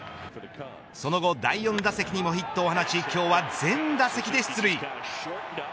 その後第４打席にもヒットを放ち今日は全打席で出塁。